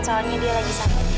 soalnya dia lagi sakit